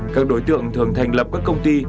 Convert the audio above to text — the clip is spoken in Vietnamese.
các đối tượng thường thành lập các công ty